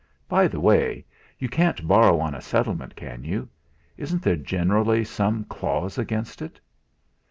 "By the way, you can't borrow on a settlement, can you? Isn't there generally some clause against it?"